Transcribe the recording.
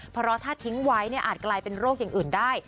เพราะถ้าทิ้งไว้อาจกลายเป็นโรคอย่างอื่นได้